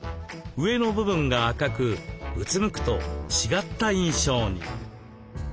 上の部分が赤くうつむくと違った印象に。